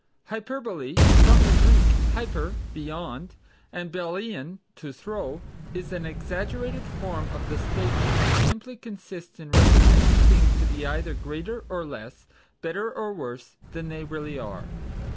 Hyperbole (from the Greek hyper, beyond, and ballein, to throw), is an exaggerated form of statement and simply consists in representing things to be either greater or less, better or worse than they really are.